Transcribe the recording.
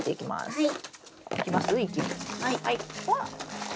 はい。